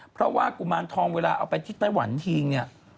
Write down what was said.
เพราะว่ากุมานทองเวลาเอาไปที่แวนทิง